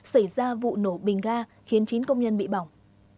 xảy ra vụ nổ bình ga khiến chín công nhân bị bỏng